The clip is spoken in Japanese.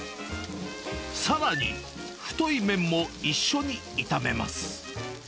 さらに、太い麺も一緒に炒めます。